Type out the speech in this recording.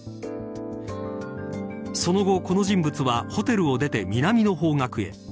その後、この人物はホテルを出て南の方角へ。